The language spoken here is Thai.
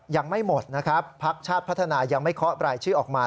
ยังไม่หมดนะครับพักชาติพัฒนายังไม่เคาะบรายชื่อออกมา